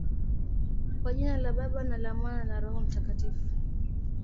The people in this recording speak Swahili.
Kwa jina la Baba, na la Mwana, na la Roho Mtakatifu.